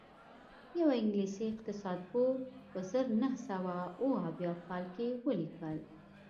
یوه انګلیسي اقتصاد پوه په زر نه سوه اووه اویا کال کې ولیکل